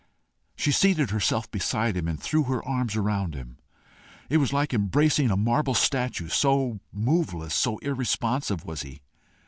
She seated herself beside him, and threw her arms around him. It was like embracing a marble statue, so moveless, so irresponsive was he.